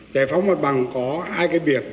giải phóng mặt bằng có hai cái việc